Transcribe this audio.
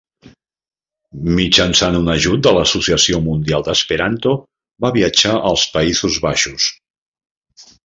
Mitjançant un ajut de l'Associació Mundial d'Esperanto va viatjar als Països Baixos.